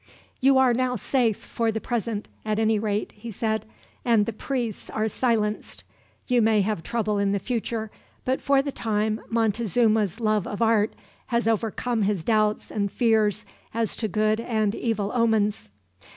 "You are now safe, for the present, at any rate," he said, "and the priests are silenced. You may have trouble in the future, but for the time Montezuma's love of art has overcome his doubts and fears as to good and evil omens."